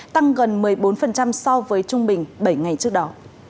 tăng gần một mươi bốn so với trung bình bảy ngày trước đó